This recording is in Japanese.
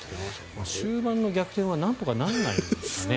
終盤の逆転はなんとかならないんですかね？